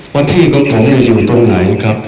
วันนี่ใกล้นายอยู่ตรงไหน